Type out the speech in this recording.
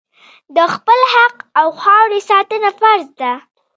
د خپل حق او خاورې ساتنه فرض ده.